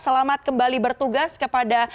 selamat kembali bertugas kepada